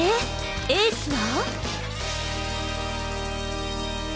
エースは？